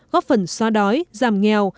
góp phần xoa đói giảm nghèo